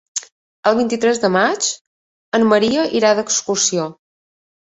El vint-i-tres de maig en Maria irà d'excursió.